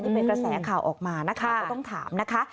เป็นกระแสข่าวออกมานะคะก็ต้องถามนะคะ